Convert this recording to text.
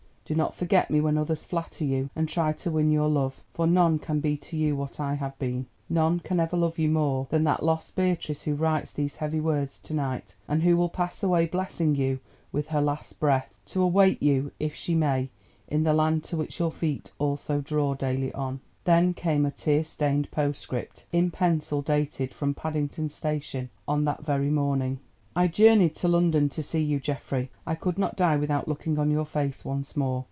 Do not forget me when others flatter you and try to win your love, for none can be to you what I have been—none can ever love you more than that lost Beatrice who writes these heavy words to night, and who will pass away blessing you with her last breath, to await you, if she may, in the land to which your feet also draw daily on." Then came a tear stained postscript in pencil dated from Paddington Station on that very morning. "I journeyed to London to see you, Geoffrey. I could not die without looking on your face once more.